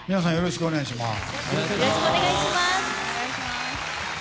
よろしくお願いします。